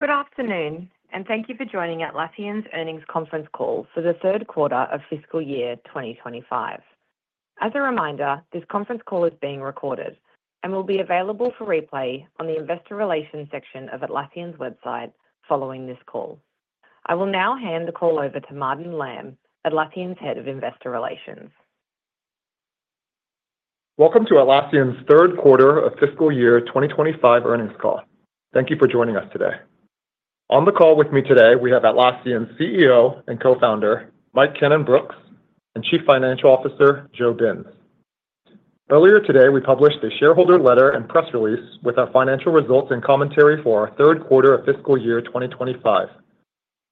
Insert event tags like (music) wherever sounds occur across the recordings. Good afternoon, and thank you for joining Atlassian's earnings conference call for the third quarter of fiscal year 2025. As a reminder, this conference call is being recorded and will be available for replay on the Investor Relations section of Atlassian's website following this call. I will now hand the call over to Martin Lam, Atlassian's Head of Investor Relations. Welcome to Atlassian's third quarter of fiscal year 2025 earnings call. Thank you for joining us today. On the call with me today, we have Atlassian's CEO and co-founder, Mike Cannon-Brookes, and Chief Financial Officer, Joe Binz. Earlier today, we published a shareholder letter and press release with our financial results and commentary for our third quarter of fiscal year 2025.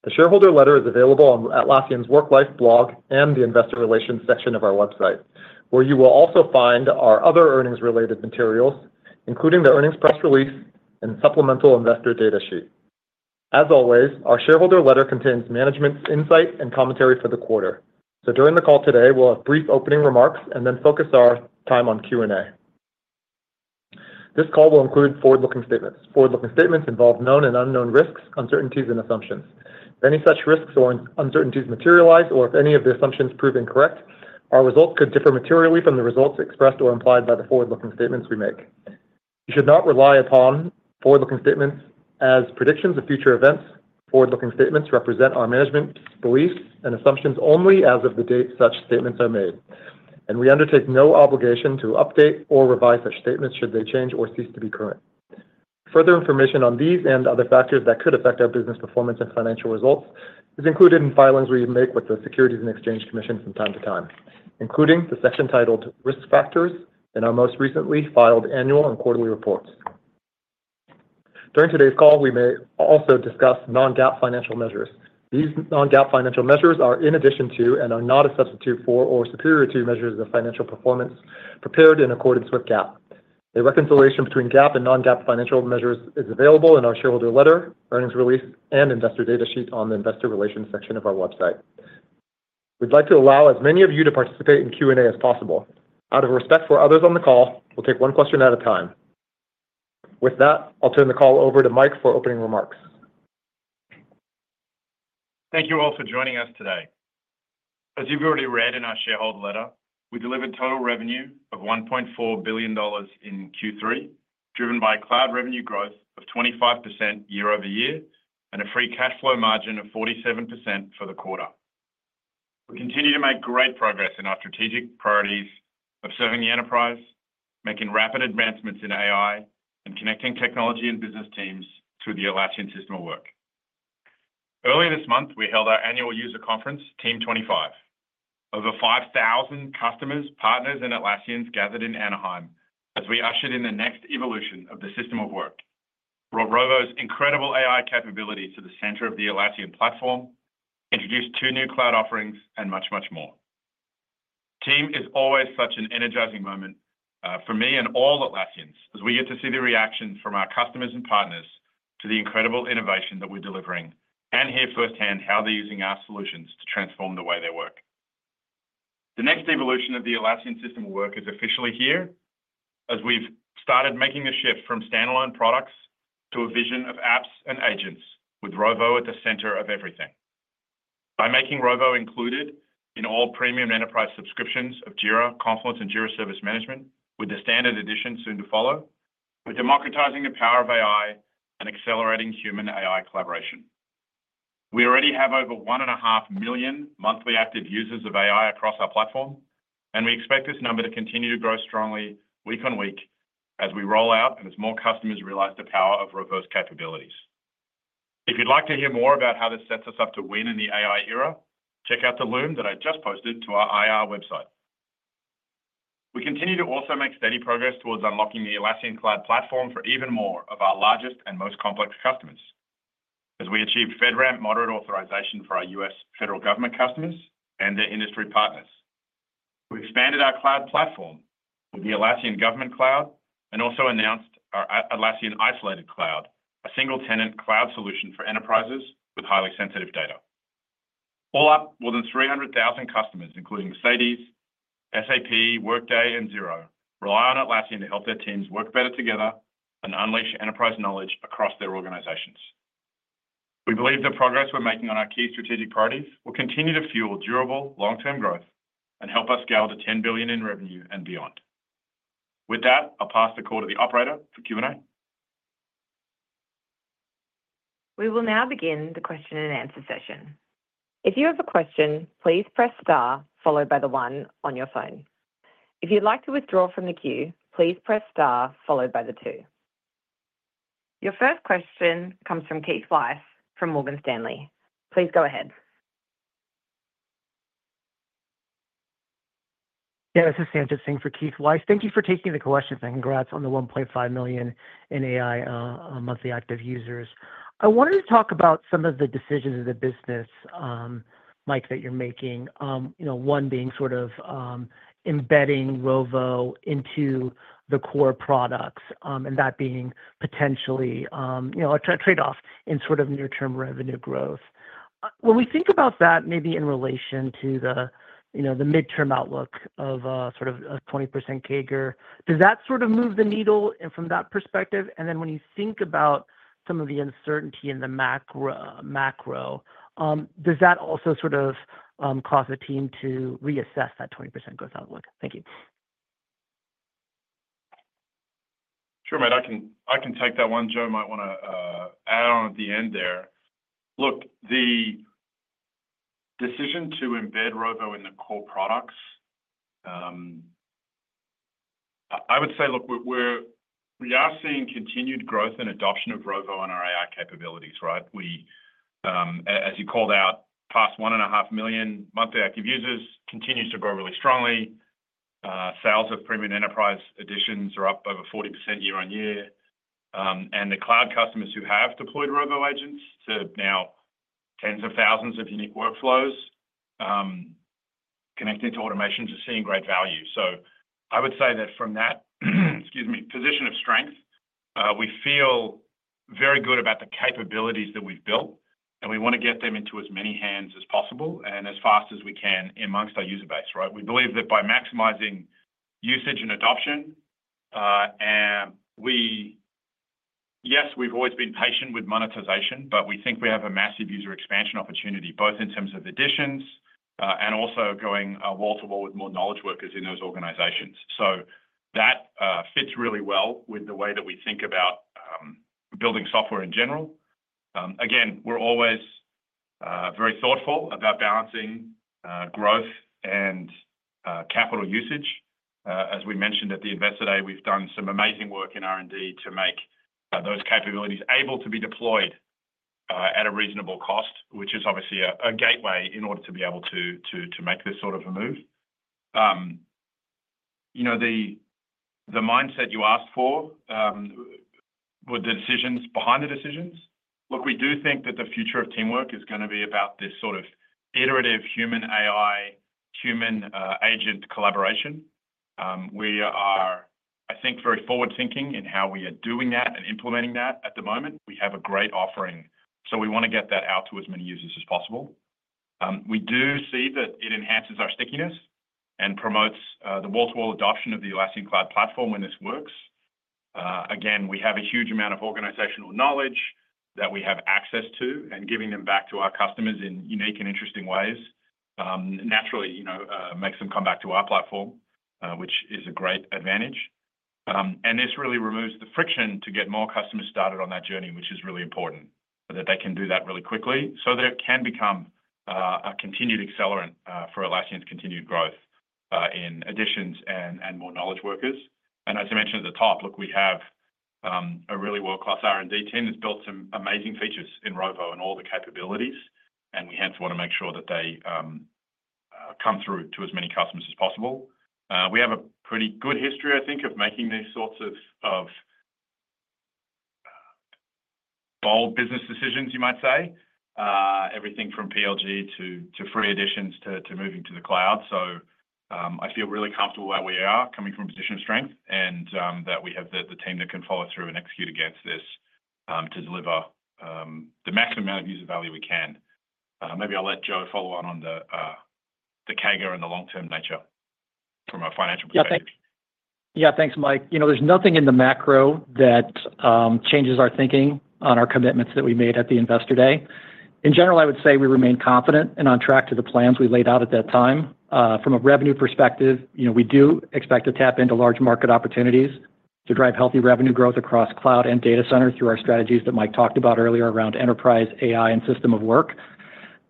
The shareholder letter is available on Atlassian's Work Life blog and the Investor Relations section of our website, where you will also find our other earnings-related materials, including the earnings press release and supplemental investor data sheet. As always, our shareholder letter contains management's insight and commentary for the quarter. During the call today, we'll have brief opening remarks and then focus our time on Q&A. This call will include forward-looking statements. Forward-looking statements involve known and unknown risks, uncertainties, and assumptions. If any such risks or uncertainties materialize, or if any of the assumptions prove incorrect, our results could differ materially from the results expressed or implied by the forward-looking statements we make. You should not rely upon forward-looking statements as predictions of future events. Forward-looking statements represent our management's beliefs and assumptions only as of the date such statements are made, and we undertake no obligation to update or revise such statements should they change or cease to be current. Further information on these and other factors that could affect our business performance and financial results is included in filings we make with the Securities and Exchange Commission from time to time, including the section titled Risk Factors in our most recently filed annual and quarterly reports. During today's call, we may also discuss non-GAAP financial measures. These non-GAAP financial measures are in addition to and are not a substitute for or superior to measures of financial performance prepared in accordance with GAAP. A reconciliation between GAAP and non-GAAP financial measures is available in our shareholder letter, earnings release, and investor data sheet on the Investor Relations section of our website. We'd like to allow as many of you to participate in Q&A as possible. Out of respect for others on the call, we'll take one question at a time. With that, I'll turn the call over to Mike for opening remarks. Thank you all for joining us today. As you've already read in our shareholder letter, we delivered total revenue of $1.4 billion in Q3, driven by cloud revenue growth of 25% year over year and a free cash flow margin of 47% for the quarter. We continue to make great progress in our strategic priorities of serving the enterprise, making rapid advancements in AI, and connecting technology and business teams through the Atlassian System of Work. Earlier this month, we held our annual user conference, Team 25. Over 5,000 customers, partners, and Atlassians gathered in Anaheim as we ushered in the next evolution of the System of Work, brought Rovo's incredible AI capability to the center of the Atlassian platform, introduced two new cloud offerings, and much, much more. Team is always such an energizing moment for me and all Atlassians as we get to see the reactions from our customers and partners to the incredible innovation that we're delivering and hear firsthand how they're using our solutions to transform the way they work. The next evolution of the Atlassian System of Work is officially here as we've started making the shift from standalone products to a vision of apps and agents with Rovo at the center of everything. Premium and Enterprise subscriptions of jira, confluence, and jira Service Management, with the Standard edition soon to follow, we're democratizing the power of AI and accelerating human-AI collaboration. We already have over one and a half million monthly active users of AI across our platform, and we expect this number to continue to grow strongly week on week as we roll out and as more customers realize the power of Rovo's capabilities. If you'd like to hear more about how this sets us up to win in the AI era, check out the Loom that I just posted to our IR website. We continue to also make steady progress towards unlocking the Atlassian Cloud platform for even more of our largest and most complex customers as we achieve FedRAMP moderate authorization for our U.S. federal government customers and their industry partners. We expanded our cloud platform with the Atlassian Government Cloud and also announced our Atlassian Isolated Cloud, a single-tenant cloud solution for enterprises with highly sensitive data. All up, more than 300,000 customers, including Salesforce, SAP, Workday, and Xero, rely on Atlassian to help their teams work better together and unleash enterprise knowledge across their organizations. We believe the progress we're making on our key strategic priorities will continue to fuel durable long-term growth and help us scale to $10 billion in revenue and beyond. With that, I'll pass the call to the operator for Q&A. We will now begin the question and answer session. If you have a question, please press star followed by the one on your phone. If you'd like to withdraw from the queue, please press star followed by the two. Your first question comes from Keith Weiss from Morgan Stanley. Please go ahead. Yeah, this is Sanjit Singh for Keith Weiss. Thank you for taking the questions. I congrats on the 1.5 million in AI monthly active users. I wanted to talk about some of the decisions of the business, Mike, that you're making, one being sort of embedding Rovo into the core products and that being potentially a trade-off in sort of near-term revenue growth. When we think about that, maybe in relation to the midterm outlook of sort of a 20% CAGR, does that sort of move the needle from that perspective? When you think about some of the uncertainty in the macro, does that also sort of cause the team to reassess that 20% growth outlook? Thank you. Sure, Mike. I can take that one. Joe might want to add on at the end there. Look, the decision to embed Rovo in the core products, I would say, look, we are seeing continued growth and adoption of Rovo in our AI capabilities, right? As you called out, past one and a half million monthly active users continues Premium and Enterprise editions are up over 40% year on year. The cloud customers who have deployed Rovo agents to now tens of thousands of unique workflows connected to automations are seeing great value. I would say that from that, excuse me, position of strength, we feel very good about the capabilities that we've built, and we want to get them into as many hands as possible and as fast as we can amongst our user base, right? We believe that by maximizing usage and adoption, yes, we've always been patient with monetization, but we think we have a massive user expansion opportunity, both in terms of additions and also going wall to wall with more knowledge workers in those organizations. That fits really well with the way that we think about building software in general. Again, we're always very thoughtful about balancing growth and capital usage. As we mentioned at the Investor Day, we've done some amazing work in R&D to make those capabilities able to be deployed at a reasonable cost, which is obviously a gateway in order to be able to make this sort of a move. The mindset you asked for with the decisions behind the decisions, look, we do think that the future of teamwork is going to be about this sort of iterative human-AI, human-agent collaboration. We are, I think, very forward-thinking in how we are doing that and implementing that. At the moment, we have a great offering, so we want to get that out to as many users as possible. We do see that it enhances our stickiness and promotes the wall-to-wall adoption of the Atlassian Cloud platform when this works. We have a huge amount of organizational knowledge that we have access to and giving them back to our customers in unique and interesting ways naturally makes them come back to our platform, which is a great advantage. This really removes the friction to get more customers started on that journey, which is really important that they can do that really quickly so that it can become a continued accelerant for Atlassian's continued growth in editions and more knowledge workers. As I mentioned at the top, look, we have a really world-class R&D team that's built some amazing features in Rovo and all the capabilities, and we hence want to make sure that they come through to as many customers as possible. We have a pretty good history, I think, of making these sorts of bold business decisions, you might say, everything from PLG to free editions to moving to the cloud. I feel really comfortable where we are coming from a position of strength and that we have the team that can follow through and execute against this to deliver the maximum amount of user value we can. Maybe I'll let Joe follow on on the CAGR and the long-term nature from a financial perspective. Yeah, thanks, Mike. There's nothing in the macro that changes our thinking on our commitments that we made at the Investor Day. In general, I would say we remain confident and on track to the plans we laid out at that time. From a revenue perspective, we do expect to tap into large market opportunities to drive healthy revenue growth across cloud and data centers through our strategies that Mike talked about earlier around enterprise, AI, and System of Work.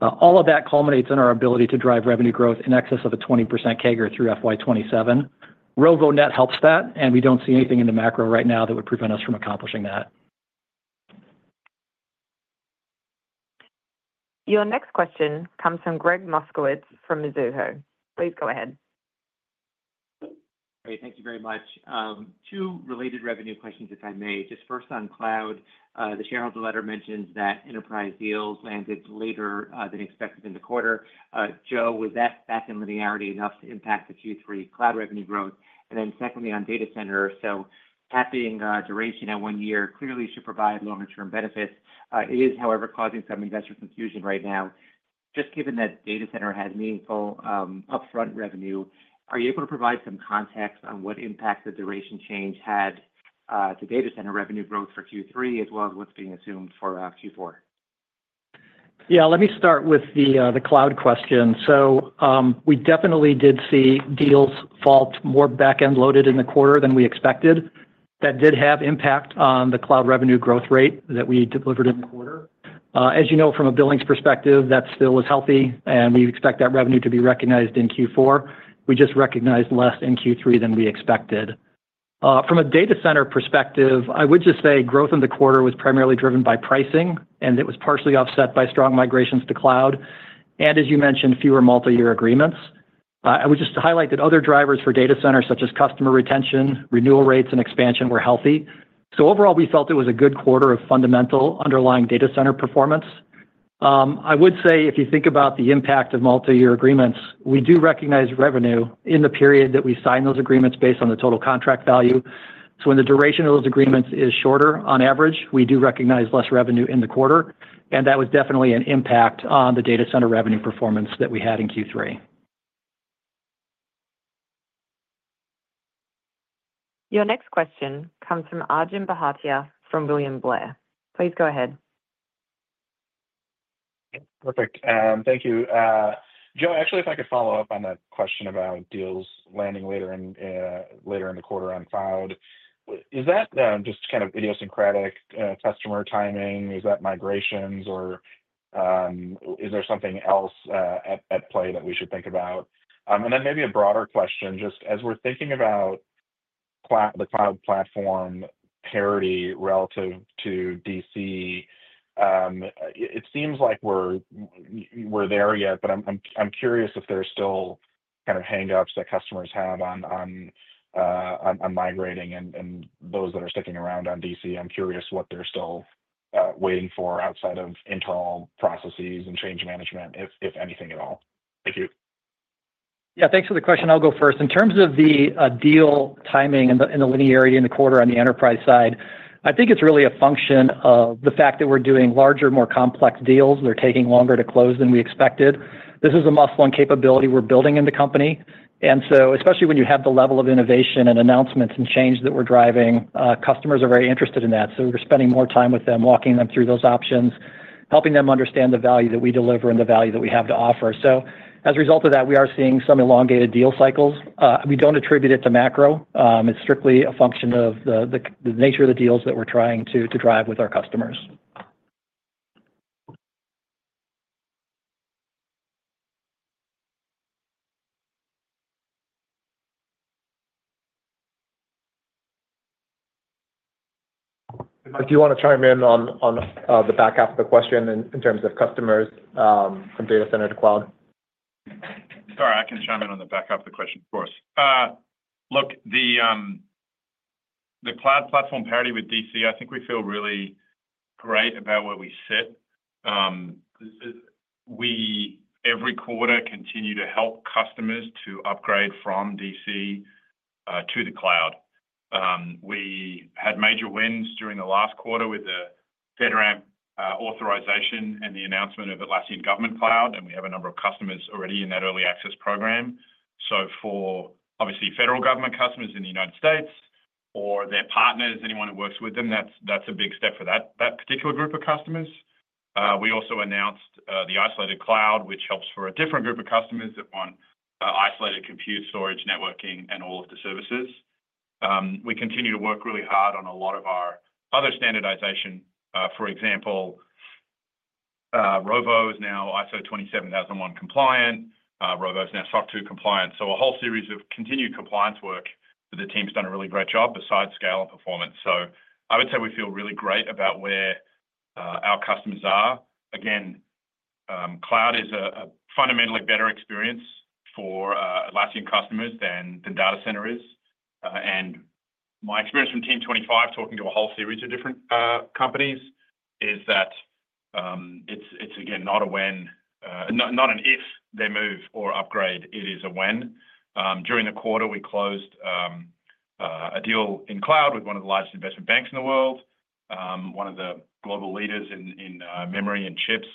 All of that culminates in our ability to drive revenue growth in excess of a 20% CAGR through FY 2027. Rovo helps that, and we don't see anything in the macro right now that would prevent us from accomplishing that. Your next question comes from Gregg Moskowitz from Mizuho. Please go ahead. Great. Thank you very much. Two related revenue questions, if I may. Just first, on cloud, the shareholder letter mentions that enterprise deals landed later than expected in the quarter. Joe, was that back in linearity enough to impact the Q3 cloud revenue growth? Then secondly, on data center, so tapping duration at one year clearly should provide longer-term benefits. It is, however, causing some investor confusion right now. Just given that data center has meaningful upfront revenue, are you able to provide some context on what impact the duration change had to data center revenue growth for Q3, as well as what is being assumed for Q4? Yeah, let me start with the cloud question. We definitely did see deals fall more back-end loaded in the quarter than we expected. That did have impact on the cloud revenue growth rate that we delivered in the quarter. As you know, from a billings perspective, that still was healthy, and we expect that revenue to be recognized in Q4. We just recognized less in Q3 than we expected. From a data center perspective, I would just say growth in the quarter was primarily driven by pricing, and it was partially offset by strong migrations to cloud. As you mentioned, fewer multi-year agreements. I would just highlight that other drivers for data center, such as customer retention, renewal rates, and expansion, were healthy. Overall, we felt it was a good quarter of fundamental underlying data center performance. I would say if you think about the impact of multi-year agreements, we do recognize revenue in the period that we sign those agreements based on the total contract value. When the duration of those agreements is shorter, on average, we do recognize less revenue in the quarter. That was definitely an impact on the Data Center revenue performance that we had in Q3. Your next question comes from Arjun Bhatia from William Blair. Please go ahead. Perfect. Thank you. Joe, actually, if I could follow up on that question about deals landing later in the quarter on cloud, is that just kind of idiosyncratic customer timing? Is that migrations, or is there something else at play that we should think about? Maybe a broader question, just as we're thinking about the cloud platform parity relative to DC, it seems like we're there yet, but I'm curious if there's still kind of hang-ups that customers have on migrating and those that are sticking around on DC. I'm curious what they're still waiting for outside of internal processes and change management, if anything at all. Thank you. Yeah, thanks for the question. I'll go first. In terms of the deal timing and the linearity in the quarter on the enterprise side, I think it's really a function of the fact that we're doing larger, more complex deals. They're taking longer to close than we expected. This is a muscle and capability we're building in the company. Especially when you have the level of innovation and announcements and change that we're driving, customers are very interested in that. We're spending more time with them, walking them through those options, helping them understand the value that we deliver and the value that we have to offer. As a result of that, we are seeing some elongated deal cycles. We don't attribute it to macro. It's strictly a function of the nature of the deals that we're trying to drive with our customers. Mike, do you want to chime in on the back half of the question in terms of customers from Data Center to Cloud? Sorry, I can chime in on the back half of the question, of course. Look, the cloud platform parity with Data Center, I think we feel really great about where we sit. We, every quarter, continue to help customers to upgrade from Data Center to the cloud. We had major wins during the last quarter with the FedRAMP authorization and the announcement of Atlassian Government Cloud, and we have a number of customers already in that early access program. For, obviously, federal government customers in the United States or their partners, anyone who works with them, that's a big step for that particular group of customers. We also announced the Isolated Cloud, which helps for a different group of customers that want isolated compute storage, networking, and all of the services. We continue to work really hard on a lot of our other standardization. For example, Rovo is now ISO 27001 compliant. Rovo is now SOC 2 compliant. A whole series of continued compliance work that the team's done a really great job besides scale and performance. I would say we feel really great about where our customers are. Again, cloud is a fundamentally better experience for Atlassian customers than Data Center is. My experience from Team 25 talking to a whole series of different companies is that it's, again, not a when, not an if they move or upgrade. It is a when. During the quarter, we closed a deal in cloud with one of the largest investment banks in the world, one of the global leaders in memory and chips,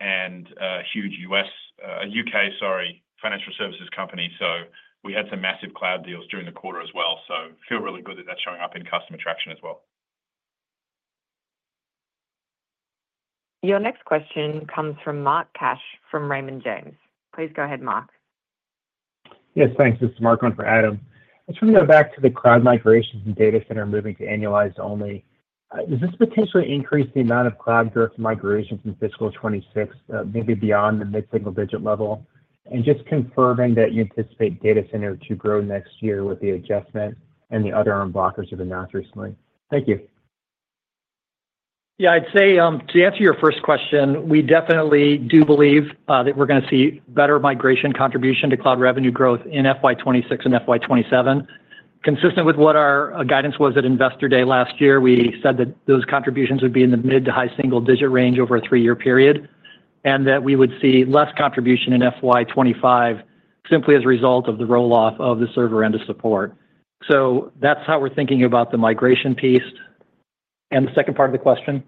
and a huge U.K., sorry, financial services company. We had some massive cloud deals during the quarter as well. I feel really good that that's showing up in customer traction as well. Your next question comes from Mark Cash from Raymond James. Please go ahead, Mark. Yes, thanks. This is Mark on for Adam. I just want to go back to the cloud migrations and Data Center moving to annualized only. Does this potentially increase the amount of cloud growth migrations in fiscal 2026, maybe beyond the mid-single digit level, and just confirming that you anticipate Data Center to grow next year with the adjustment and the other unblockers that were announced recently? Thank you. Yeah, I'd say to answer your first question, we definitely do believe that we're going to see better migration contribution to cloud revenue growth in FY 2026 and FY 2027. Consistent with what our guidance was at Investor Day last year, we said that those contributions would be in the mid to high single digit range over a three-year period and that we would see less contribution in FY 2025 simply as a result of the roll-off of the server end of support. That's how we're thinking about the migration piece. The second part of the question?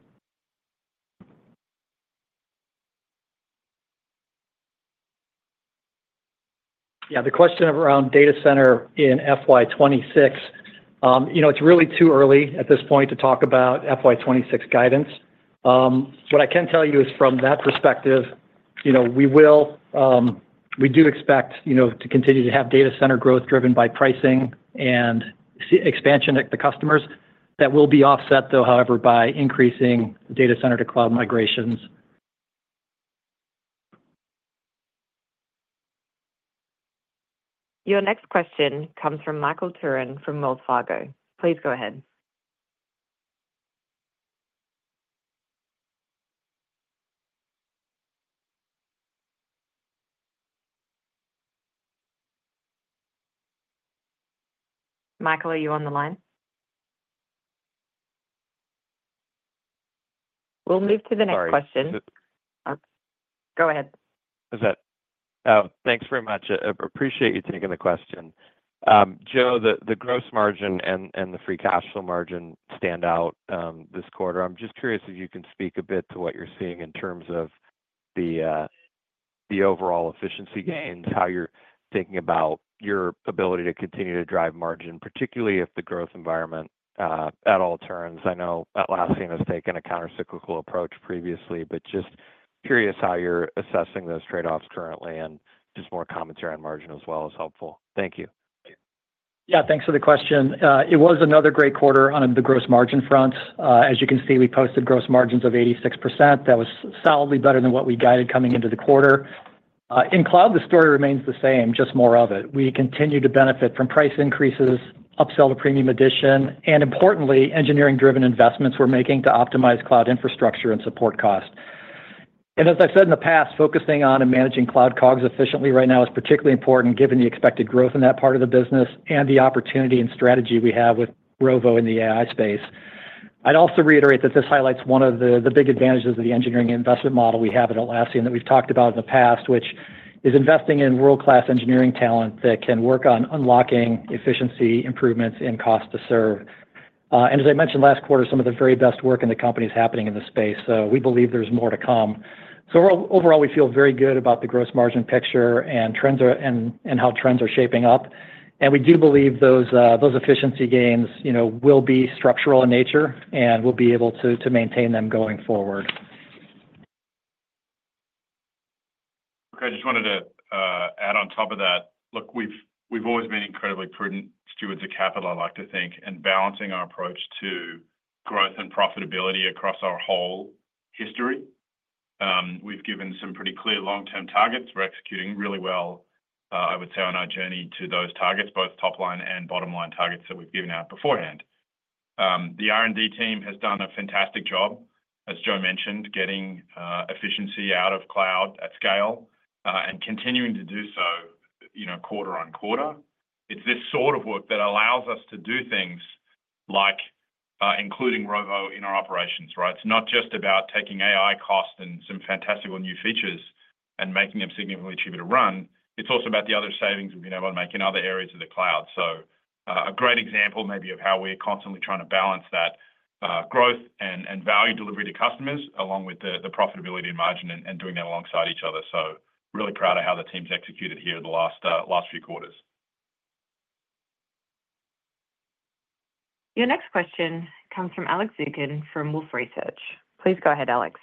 Yeah, the question around data center in FY 2026, it's really too early at this point to talk about FY 2026 guidance. What I can tell you is from that perspective, we do expect to continue to have data center growth driven by pricing and expansion at the customers. That will be offset, though, however, by increasing Data Center to cloud migrations. Your next question comes from [Michael Turrin] from MoffettNathanson. Please go ahead. Michael, are you on the line? We'll move to the next question. Go ahead. Is that? Thanks very much. I appreciate you taking the question. Joe, the gross margin and the free cash flow margin stand out this quarter. I'm just curious if you can speak a bit to what you're seeing in terms of the overall efficiency gains, how you're thinking about your ability to continue to drive margin, particularly if the growth environment at all turns. I know Atlassian has taken a countercyclical approach previously, but just curious how you're assessing those trade-offs currently, and just more commentary on margin as well is helpful. Thank you. Yeah, thanks for the question. It was another great quarter on the gross margin front. As you can see, we posted gross margins of 86%. That was solidly better than what we guided coming into the quarter. In cloud, the story remains the same, just more of it. We continue to benefit from price increases, upsell to Premium edition, and importantly, engineering-driven investments we're making to optimize cloud infrastructure and support cost. As I've said in the past, focusing on and managing cloud COGS efficiently right now is particularly important given the expected growth in that part of the business and the opportunity and strategy we have with Rovo in the AI space. I'd also reiterate that this highlights one of the big advantages of the engineering investment model we have at Atlassian that we've talked about in the past, which is investing in world-class engineering talent that can work on unlocking efficiency improvements and cost to serve. As I mentioned last quarter, some of the very best work in the company is happening in the space, so we believe there's more to come. Overall, we feel very good about the gross margin picture and how trends are shaping up. We do believe those efficiency gains will be structural in nature and we'll be able to maintain them going forward. Okay, I just wanted to add on top of that. Look, we've always been incredibly prudent stewards of capital, I like to think, and balancing our approach to growth and profitability across our whole history. We've given some pretty clear long-term targets. We're executing really well, I would say, on our journey to those targets, both top-line and bottom-line targets that we've given out beforehand. The R&D team has done a fantastic job, as Joe mentioned, getting efficiency out of cloud at scale and continuing to do so quarter on quarter. It's this sort of work that allows us to do things like including Rovo in our operations, right? It's not just about taking AI cost and some fantastical new features and making them significantly cheaper to run. It's also about the other savings we've been able to make in other areas of the cloud. A great example maybe of how we're constantly trying to balance that growth and value delivery to customers along with the profitability and margin and doing that alongside each other. Really proud of how the team's executed here the last few quarters. Your next question comes from Alex Zukin from Wolf Research. Please go ahead, Alex.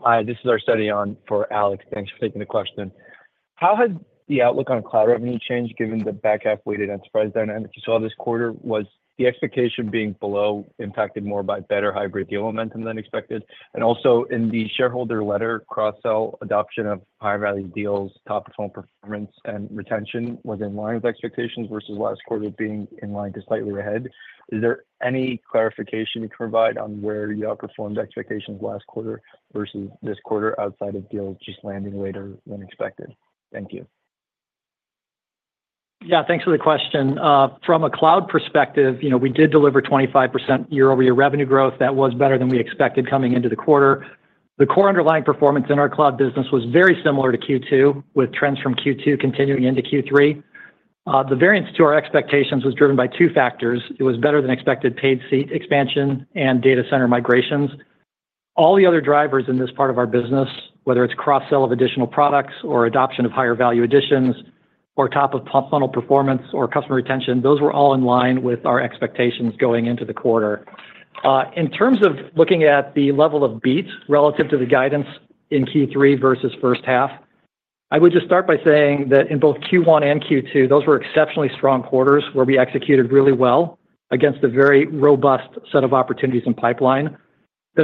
Hi, this is (audio distortion) on for Alex. Thanks for taking the question. How has the outlook on cloud revenue changed given the back-half weighted enterprise dynamics you saw this quarter? Was the expectation being below impacted more by better hybrid deal momentum than expected? Also, in the shareholder letter, cross-sell adoption of higher value deals, top-perform performance, and retention was in line with expectations versus last quarter being in line to slightly ahead. Is there any clarification you can provide on where you outperformed expectations last quarter versus this quarter outside of deals just landing later than expected? Thank you. Yeah, thanks for the question. From a cloud perspective, we did deliver 25% year-over-year revenue growth. That was better than we expected coming into the quarter. The core underlying performance in our cloud business was very similar to Q2, with trends from Q2 continuing into Q3. The variance to our expectations was driven by two factors. It was better than expected paid seat expansion and data center migrations. All the other drivers in this part of our business, whether it's cross-sell of additional products or adoption of higher value additions or top-of-funnel performance or customer retention, those were all in line with our expectations going into the quarter. In terms of looking at the level of beats relative to the guidance in Q3 versus first half, I would just start by saying that in both Q1 and Q2, those were exceptionally strong quarters where we executed really well against a very robust set of opportunities and pipeline.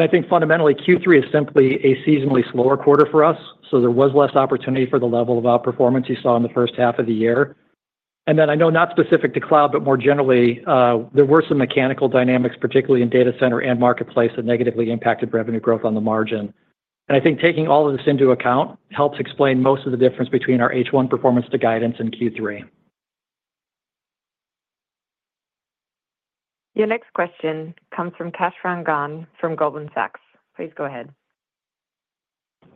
I think fundamentally Q3 is simply a seasonally slower quarter for us. There was less opportunity for the level of outperformance you saw in the first half of the year. I know not specific to cloud, but more generally, there were some mechanical dynamics, particularly in Data Center and marketplace, that negatively impacted revenue growth on the margin. I think taking all of this into account helps explain most of the difference between our H1 performance to guidance in Q3. Your next question comes from Kash Rangan from Goldman Sachs. Please go ahead.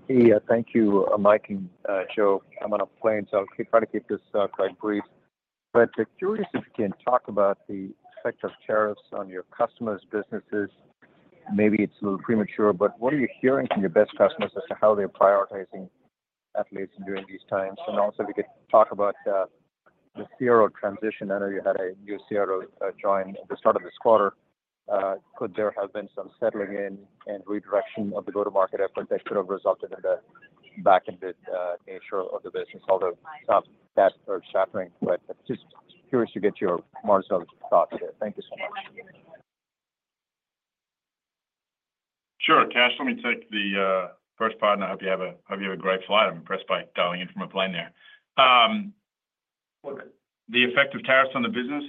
Yeah, thank you, Mike and Joe. I'm on a plane, so I'll try to keep this quite brief. I'm curious if you can talk about the effect of tariffs on your customers' businesses. Maybe it's a little premature, but what are you hearing from your best customers as to how they're prioritizing at least during these times? Also, if you could talk about the CRO transition. I know you had a new CRO join at the start of this quarter. Could there have been some settling in and redirection of the go-to-market effort that could have resulted in the back-end nature of the business? Although some debts are shattering, just curious to get your marginal thoughts there. Thank you so much. Sure. Cash, let me take the first part, and I hope you have a great flight. I'm impressed by dialing in from a plane there. The effect of tariffs on the business,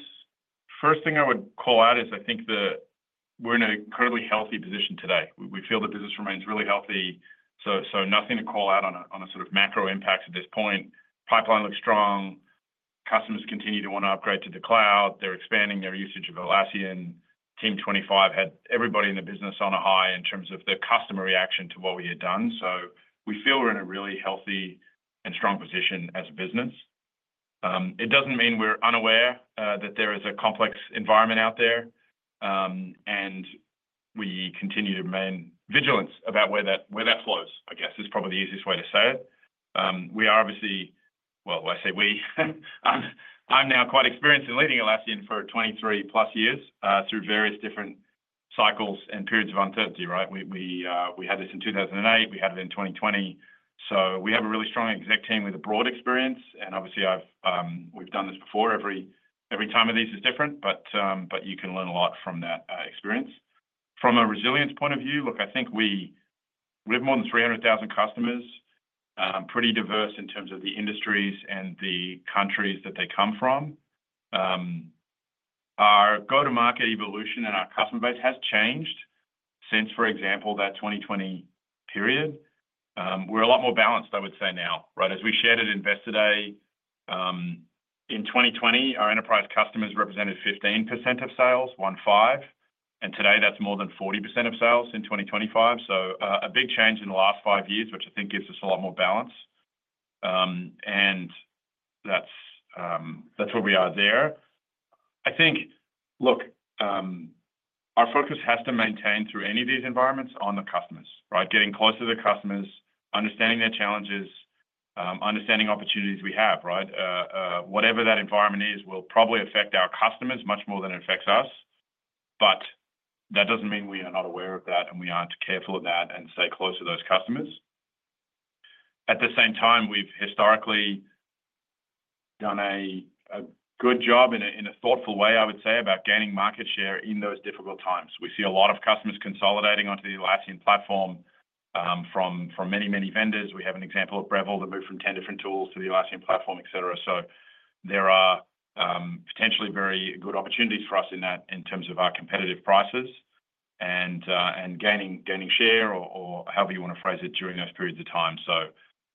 first thing I would call out is I think we're in an incredibly healthy position today. We feel the business remains really healthy. Nothing to call out on a sort of macro impact at this point. Pipeline looks strong. Customers continue to want to upgrade to the cloud. They're expanding their usage of Atlassian. Team 25 had everybody in the business on a high in terms of the customer reaction to what we had done. We feel we're in a really healthy and strong position as a business. It doesn't mean we're unaware that there is a complex environment out there. We continue to remain vigilant about where that flows, I guess, is probably the easiest way to say it. Obviously, I say we. I'm now quite experienced in leading Atlassian for 23 plus years through various different cycles and periods of uncertainty, right? We had this in 2008. We had it in 2020. We have a really strong exec team with a broad experience. Obviously, we've done this before. Every time of these is different, but you can learn a lot from that experience. From a resilience point of view, look, I think we have more than 300,000 customers, pretty diverse in terms of the industries and the countries that they come from. Our go-to-market evolution and our customer base has changed since, for example, that 2020 period. We're a lot more balanced, I would say now, right? As we shared at Investor Day, in 2020, our enterprise customers represented 15% of sales, one five. Today, that's more than 40% of sales in 2025. A big change in the last five years, which I think gives us a lot more balance. That's where we are there. I think, look, our focus has to maintain through any of these environments on the customers, right? Getting closer to the customers, understanding their challenges, understanding opportunities we have, right? Whatever that environment is, will probably affect our customers much more than it affects us. That doesn't mean we are not aware of that and we aren't careful of that and stay close to those customers. At the same time, we've historically done a good job in a thoughtful way, I would say, about gaining market share in those difficult times. We see a lot of customers consolidating onto the Atlassian platform from many, many vendors. We have an example of Breville that moved from 10 different tools to the Atlassian platform, etc. There are potentially very good opportunities for us in that in terms of our competitive prices and gaining share or however you want to phrase it during those periods of time.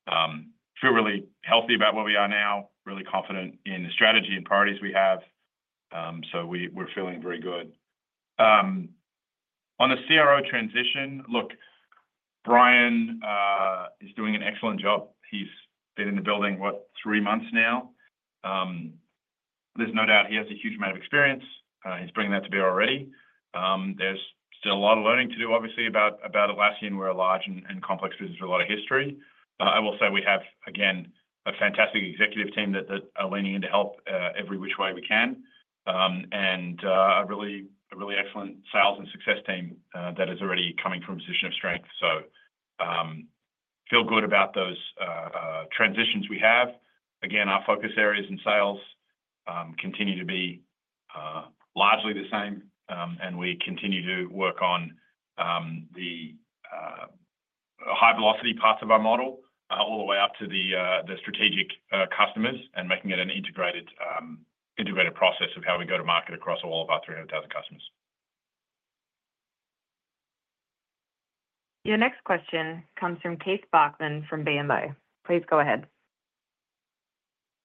I feel really healthy about where we are now, really confident in the strategy and priorities we have. We're feeling very good. On the CRO transition, look, Brian is doing an excellent job. He's been in the building, what, three months now? There's no doubt he has a huge amount of experience. He's bringing that to bear already. There's still a lot of learning to do, obviously, about Atlassian. We're a large and complex business with a lot of history. I will say we have, again, a fantastic executive team that are leaning in to help every which way we can. A really excellent sales and success team that is already coming from a position of strength. I feel good about those transitions we have. Again, our focus areas in sales continue to be largely the same. We continue to work on the high-velocity parts of our model all the way up to the strategic customers and making it an integrated process of how we go to market across all of our 300,000 customers. Your next question comes from Keith Bachman from BMO. Please go ahead.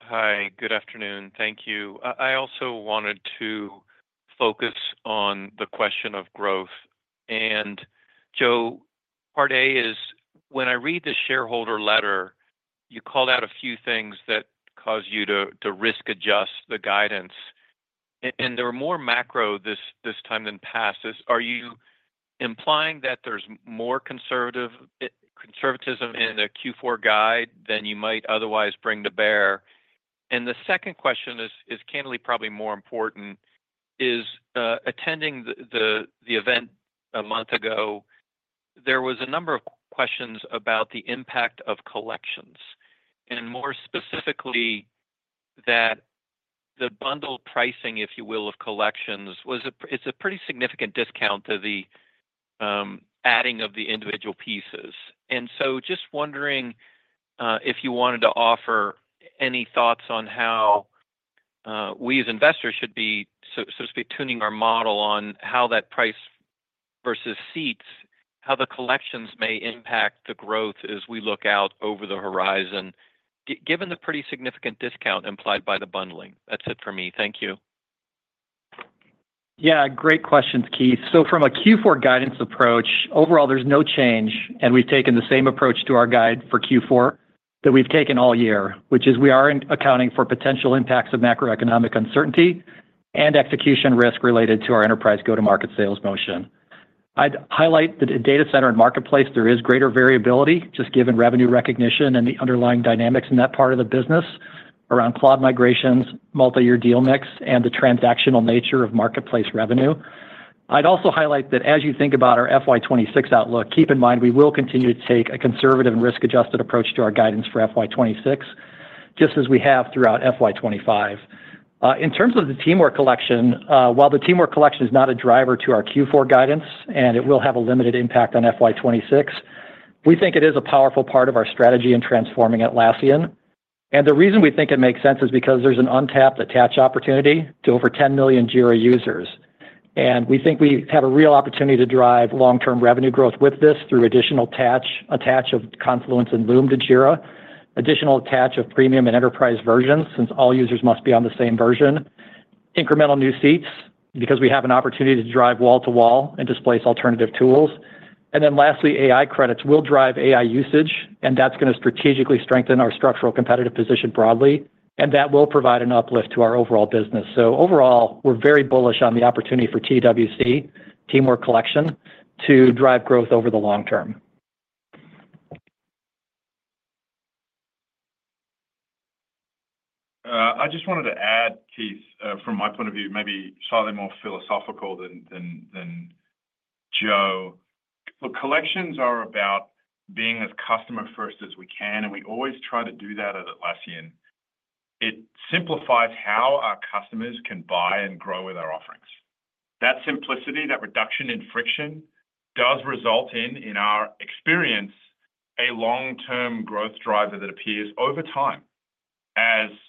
Hi, good afternoon. Thank you. I also wanted to focus on the question of growth. And Joe, part A is when I read the shareholder letter, you called out a few things that caused you to risk adjust the guidance. There are more macro this time than past. Are you implying that there's more conservatism in the Q4 guide than you might otherwise bring to bear? The second question is candidly probably more important. Attending the event a month ago, there was a number of questions about the impact of collections. More specifically, that the bundle pricing, if you will, of collections, it's a pretty significant discount to the adding of the individual pieces. Just wondering if you wanted to offer any thoughts on how we as investors should be, so to speak, tuning our model on how that price versus seats, how the collections may impact the growth as we look out over the horizon, given the pretty significant discount implied by the bundling. That's it for me. Thank you. Yeah, great questions, Keith. From a Q4 guidance approach, overall, there's no change. We've taken the same approach to our guide for Q4 that we've taken all year, which is we are accounting for potential impacts of macroeconomic uncertainty and execution risk related to our enterprise go-to-market sales motion. I'd highlight that in Data Center and marketplace, there is greater variability just given revenue recognition and the underlying dynamics in that part of the business around cloud migrations, multi-year deal mix, and the transactional nature of marketplace revenue. I'd also highlight that as you think about our FY 2026 outlook, keep in mind we will continue to take a conservative and risk-adjusted approach to our guidance for FY 2026, just as we have throughout FY 2025. In terms of the Teamwork Collection, while the Teamwork Collection is not a driver to our Q4 guidance, and it will have a limited impact on FY 2026, we think it is a powerful part of our strategy in transforming Atlassian. The reason we think it makes sense is because there is an untapped attach opportunity to over 10 million Jira users. We think we have a real opportunity to drive long-term revenue growth with this through additional attach of Confluence and Loom to Jira, additional Premium and Enterprise versions since all users must be on the same version, incremental new seats because we have an opportunity to drive wall-to-wall and displace alternative tools. Lastly, AI credits will drive AI usage, and that is going to strategically strengthen our structural competitive position broadly. That will provide an uplift to our overall business. Overall, we're very bullish on the opportunity for Teamwork Collection to drive growth over the long term. I just wanted to add, Keith, from my point of view, maybe slightly more philosophical than Joe. Look, collections are about being as customer-first as we can. We always try to do that at Atlassian. It simplifies how our customers can buy and grow with our offerings. That simplicity, that reduction in friction, does result in, in our experience, a long-term growth driver that appears over time as customers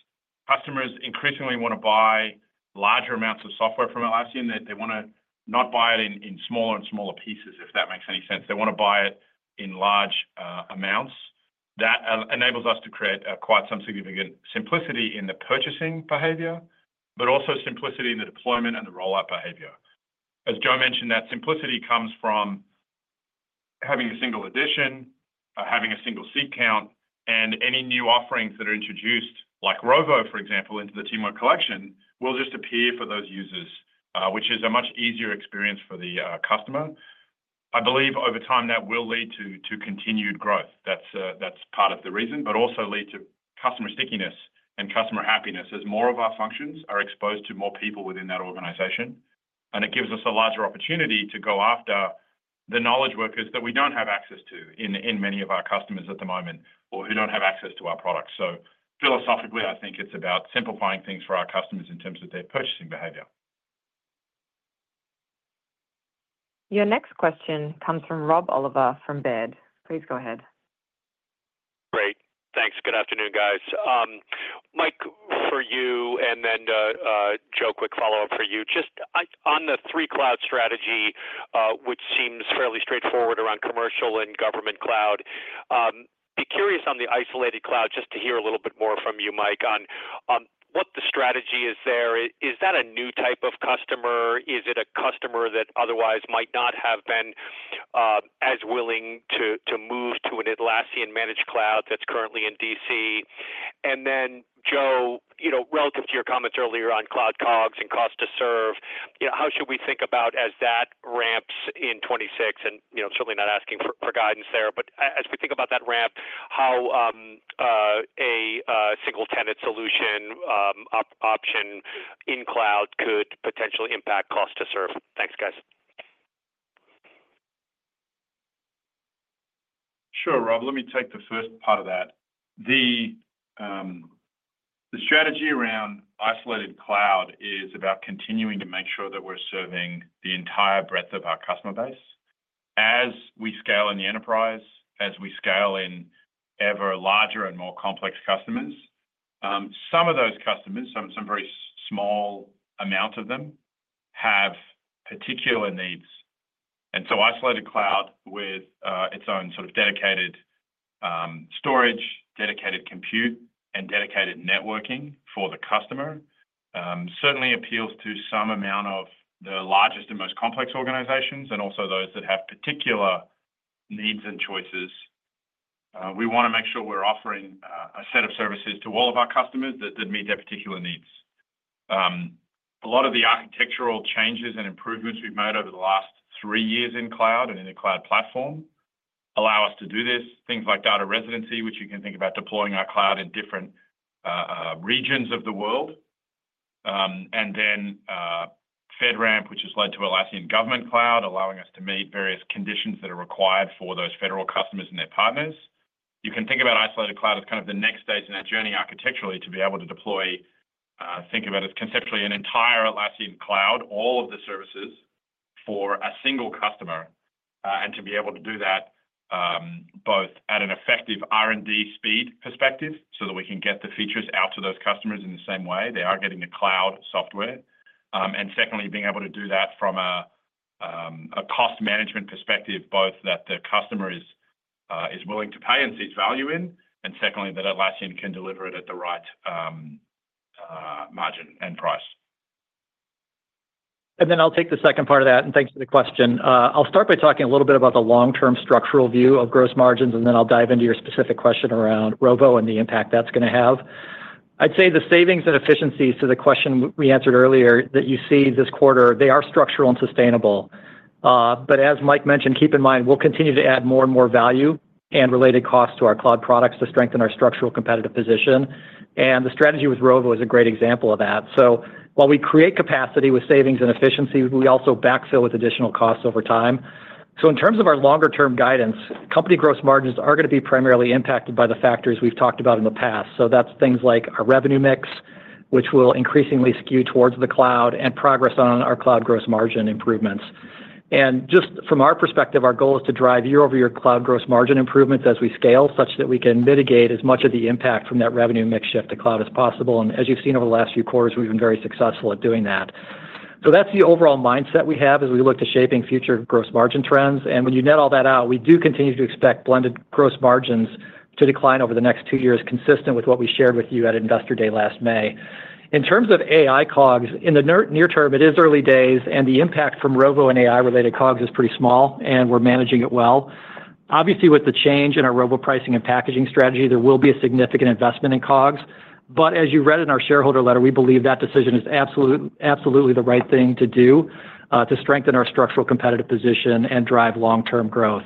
increasingly want to buy larger amounts of software from Atlassian. They want to not buy it in smaller and smaller pieces, if that makes any sense. They want to buy it in large amounts. That enables us to create quite some significant simplicity in the purchasing behavior, but also simplicity in the deployment and the rollout behavior. As Joe mentioned, that simplicity comes from having a single edition, having a single seat count, and any new offerings that are introduced, like Rovo, for example, into the Teamwork Collection, will just appear for those users, which is a much easier experience for the customer. I believe over time that will lead to continued growth. That is part of the reason, but also lead to customer stickiness and customer happiness as more of our functions are exposed to more people within that organization. It gives us a larger opportunity to go after the knowledge workers that we do not have access to in many of our customers at the moment or who do not have access to our products. Philosophically, I think it is about simplifying things for our customers in terms of their purchasing behavior. Your next question comes from Rob Oliver from Baird. Please go ahead. Great. Thanks. Good afternoon, guys. Mike, for you, and then Joe, quick follow-up for you. Just on the three-cloud strategy, which seems fairly straightforward around commercial and government cloud, be curious on the isolated cloud just to hear a little bit more from you, Mike, on what the strategy is there. Is that a new type of customer? Is it a customer that otherwise might not have been as willing to move to an Atlassian-managed cloud that's currently in Data Center? Joe, relative to your comments earlier on Cloud COGS and cost to serve, how should we think about as that ramps in 2026? Certainly not asking for guidance there, but as we think about that ramp, how a single-tenant solution option in cloud could potentially impact cost to serve. Thanks, guys. Sure, Rob. Let me take the first part of that. The strategy around isolated cloud is about continuing to make sure that we're serving the entire breadth of our customer base. As we scale in the enterprise, as we scale in ever larger and more complex customers, some of those customers, some very small amount of them, have particular needs. Isolated cloud with its own sort of dedicated storage, dedicated compute, and dedicated networking for the customer certainly appeals to some amount of the largest and most complex organizations and also those that have particular needs and choices. We want to make sure we're offering a set of services to all of our customers that meet their particular needs. A lot of the architectural changes and improvements we've made over the last three years in cloud and in the cloud platform allow us to do this. Things like data residency, which you can think about deploying our cloud in different regions of the world. FedRAMP, which has led to Atlassian Government Cloud, allowing us to meet various conditions that are required for those federal customers and their partners. You can think about Isolated Cloud as kind of the next stage in that journey architecturally to be able to deploy, think about as conceptually an entire Atlassian Cloud, all of the services for a single customer, and to be able to do that both at an effective R&D speed perspective so that we can get the features out to those customers in the same way they are getting the cloud software. Secondly, being able to do that from a cost management perspective, both that the customer is willing to pay and sees value in, and secondly, that Atlassian can deliver it at the right margin and price. I'll take the second part of that, and thanks for the question. I'll start by talking a little bit about the long-term structural view of gross margins, and then I'll dive into your specific question around Rovo and the impact that's going to have. I'd say the savings and efficiencies to the question we answered earlier that you see this quarter, they are structural and sustainable. As Mike mentioned, keep in mind, we'll continue to add more and more value and related costs to our cloud products to strengthen our structural competitive position. The strategy with Rovo is a great example of that. While we create capacity with savings and efficiency, we also backfill with additional costs over time. In terms of our longer-term guidance, company gross margins are going to be primarily impacted by the factors we've talked about in the past. That's things like our revenue mix, which will increasingly skew towards the cloud and progress on our cloud gross margin improvements. Just from our perspective, our goal is to drive year-over-year cloud gross margin improvements as we scale such that we can mitigate as much of the impact from that revenue mix shift to cloud as possible. As you've seen over the last few quarters, we've been very successful at doing that. That's the overall mindset we have as we look to shaping future gross margin trends. When you net all that out, we do continue to expect blended gross margins to decline over the next two years, consistent with what we shared with you at Investor Day last May. In terms of AI COGS, in the near term, it is early days, and the impact from Rovo and AI-related COGS is pretty small, and we're managing it well. Obviously, with the change in our Rovo pricing and packaging strategy, there will be a significant investment in COGS. As you read in our shareholder letter, we believe that decision is absolutely the right thing to do to strengthen our structural competitive position and drive long-term growth.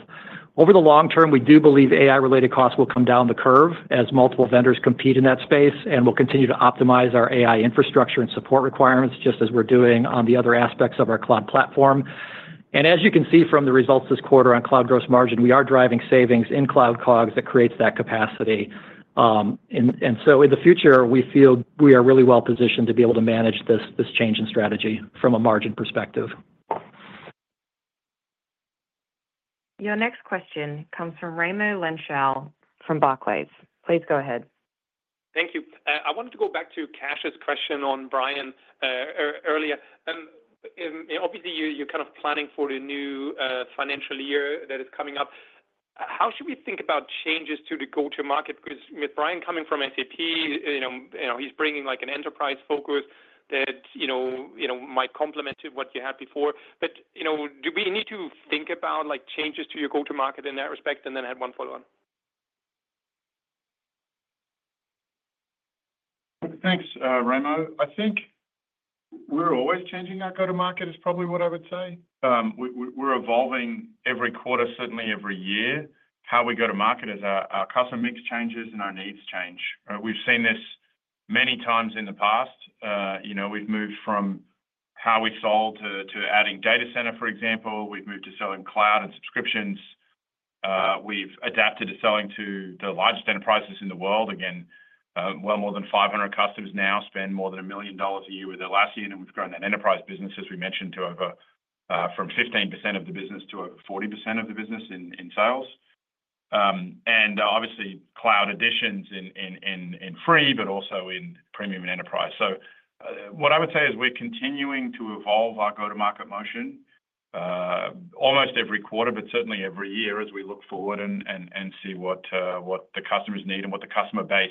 Over the long term, we do believe AI-related costs will come down the curve as multiple vendors compete in that space, and we'll continue to optimize our AI infrastructure and support requirements just as we're doing on the other aspects of our cloud platform. As you can see from the results this quarter on cloud gross margin, we are driving savings in Cloud COGS that creates that capacity. In the future, we feel we are really well positioned to be able to manage this change in strategy from a margin perspective. Your next question comes from Raimo Lenschow from Barclays. Please go ahead. Thank you. I wanted to go back to Cash's question on Brian earlier. Obviously, you're kind of planning for the new financial year that is coming up. How should we think about changes to the go-to-market? Because with Brian coming from SAP, he's bringing an enterprise focus that might complement what you had before. Do we need to think about changes to your go-to-market in that respect? I had one follow-on. Thanks, Raimo. I think we're always changing our go-to-market is probably what I would say. We're evolving every quarter, certainly every year. How we go to market is our customer mix changes and our needs change. We've seen this many times in the past. We've moved from how we sold to adding Data Center, for example. We've moved to selling cloud and subscriptions. We've adapted to selling to the largest enterprises in the world. Again, well more than 500 customers now spend more than $1 million a year with Atlassian. We've grown that enterprise business, as we mentioned, from 15% of the business to over 40% of the business in sales. Obviously, cloud additions in free, but also in Premium and Enterprise. What I would say is we're continuing to evolve our go-to-market motion almost every quarter, but certainly every year as we look forward and see what the customers need and what the customer base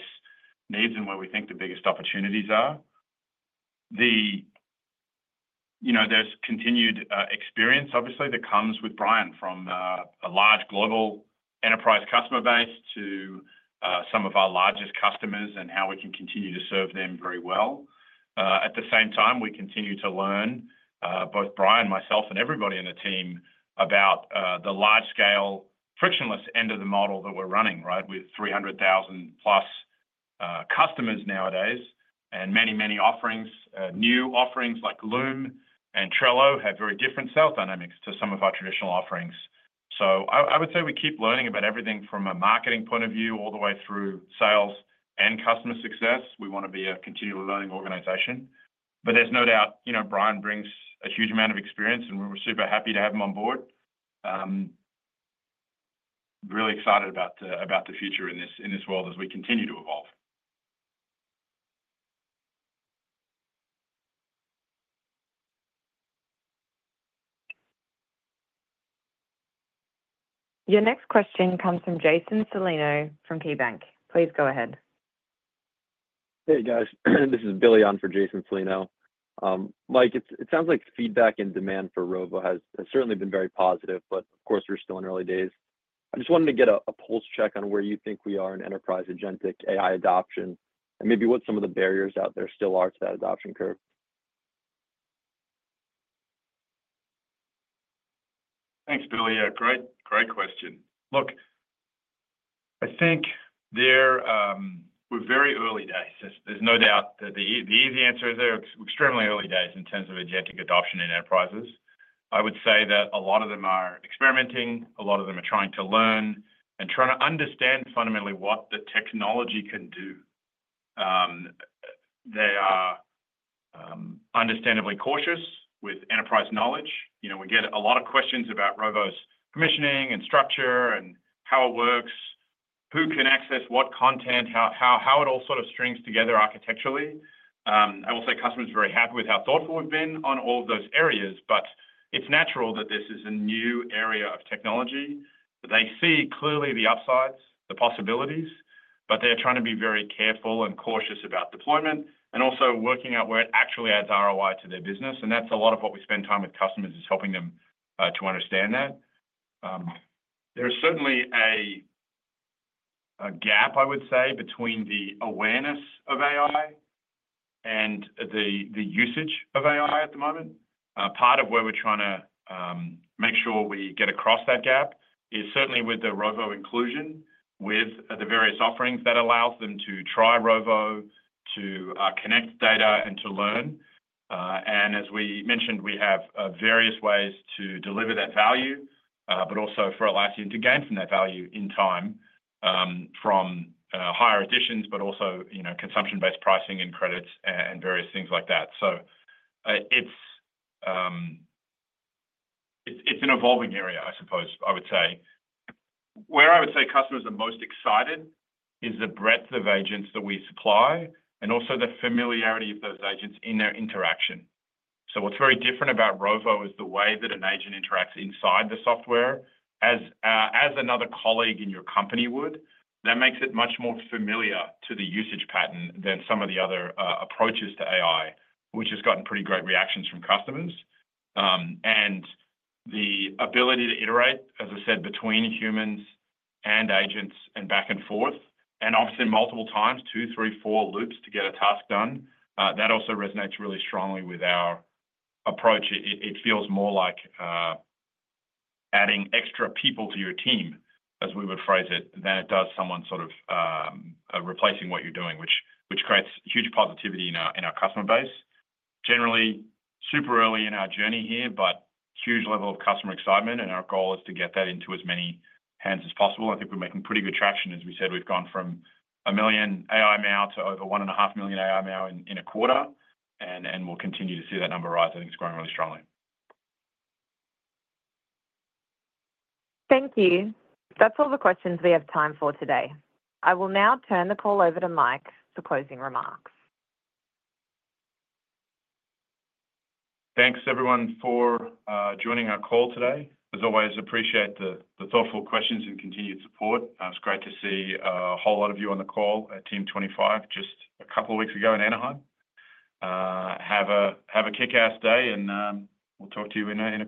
needs and where we think the biggest opportunities are. There's continued experience, obviously, that comes with Brian from a large global enterprise customer base to some of our largest customers and how we can continue to serve them very well. At the same time, we continue to learn, both Brian, myself, and everybody in the team about the large-scale, frictionless end of the model that we're running, right, with 300,000-plus customers nowadays and many, many offerings. New offerings like Loom and Trello have very different sales dynamics to some of our traditional offerings. I would say we keep learning about everything from a marketing point of view all the way through sales and customer success. We want to be a continually learning organization. There is no doubt Brian brings a huge amount of experience, and we're super happy to have him on board. Really excited about the future in this world as we continue to evolve. Your next question comes from Jason Celino from KeyBanc. Please go ahead. Hey, guys. This is Billy on for Jason Celino. Mike, it sounds like feedback and demand for Rovo has certainly been very positive, but of course, we're still in early days. I just wanted to get a pulse check on where you think we are in enterprise agentic AI adoption and maybe what some of the barriers out there still are to that adoption curve. Thanks, Billy. Great question. Look, I think we're very early days. There's no doubt that the easy answer is they're extremely early days in terms of agentic adoption in enterprises. I would say that a lot of them are experimenting. A lot of them are trying to learn and trying to understand fundamentally what the technology can do. They are understandably cautious with enterprise knowledge. We get a lot of questions about Rovo's commissioning and structure and how it works, who can access what content, how it all sort of strings together architecturally. I will say customers are very happy with how thoughtful we've been on all of those areas, but it's natural that this is a new area of technology. They see clearly the upsides, the possibilities, but they're trying to be very careful and cautious about deployment and also working out where it actually adds ROI to their business. That's a lot of what we spend time with customers is helping them to understand that. There is certainly a gap, I would say, between the awareness of AI and the usage of AI at the moment. Part of where we're trying to make sure we get across that gap is certainly with the Rovo inclusion, with the various offerings that allows them to try Rovo, to connect data, and to learn. As we mentioned, we have various ways to deliver that value, but also for Atlassian to gain from that value in time from higher editions, but also consumption-based pricing and credits and various things like that. It's an evolving area, I suppose, I would say. Where I would say customers are most excited is the breadth of agents that we supply and also the familiarity of those agents in their interaction. What is very different about Rovo is the way that an agent interacts inside the software as another colleague in your company would. That makes it much more familiar to the usage pattern than some of the other approaches to AI, which has gotten pretty great reactions from customers. The ability to iterate, as I said, between humans and agents and back and forth, obviously multiple times, two, three, four loops to get a task done, that also resonates really strongly with our approach. It feels more like adding extra people to your team, as we would phrase it, than it does someone sort of replacing what you are doing, which creates huge positivity in our customer base. Generally, super early in our journey here, but huge level of customer excitement, and our goal is to get that into as many hands as possible. I think we're making pretty good traction. As we said, we've gone from a million AI MAU to over one and a half million AI MAU in a quarter, and we'll continue to see that number rise. I think it's growing really strongly. Thank you. That's all the questions we have time for today. I will now turn the call over to Mike for closing remarks. Thanks, everyone, for joining our call today. As always, appreciate the thoughtful questions and continued support. It's great to see a whole lot of you on the call at Team 25 just a couple of weeks ago in Anaheim. Have a kick-ass day, and we'll talk to you in.